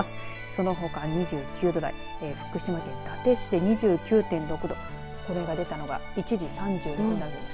そのほか２９度台福島県伊達市で２９．６度これが出たのが１時３２分です。